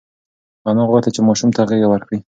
انا غوښتل چې ماشوم ته غېږه ورکړي.